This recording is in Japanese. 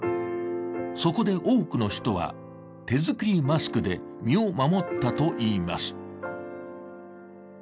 そこで、多くの人は手作りマスクで身を守ったといいます。